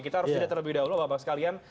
kita harus jeda terlebih dahulu bapak sekalian